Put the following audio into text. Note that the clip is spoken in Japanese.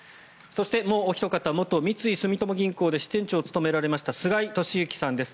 そして、もうおひと方元三井住友銀行で支店長を務められました菅井敏之さんです。